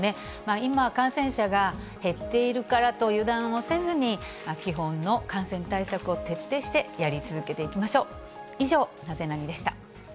今、感染者が減っているからと油断をせずに、基本の感染対策を徹底してやり続けていきましょう。